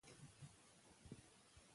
او د مشر ديدن له تلۀ خامخه دي ـ